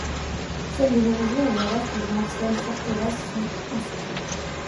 Seuls le donjon et les restes de l'ancienne forteresse sont inscrits.